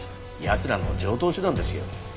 奴らの常套手段ですよ。